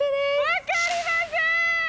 分かりません！